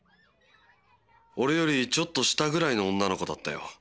俺よりちょっと下ぐらいの女の子だったよ。